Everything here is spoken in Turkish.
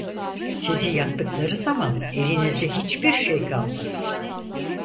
Sizi yaktıkları zaman, elinizde hiçbir şey kalmaz…